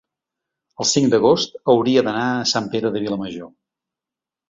el cinc d'agost hauria d'anar a Sant Pere de Vilamajor.